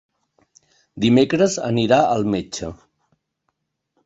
Dimecres anirà al metge.